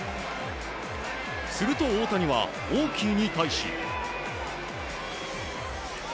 すると、大谷はオーキーに対し。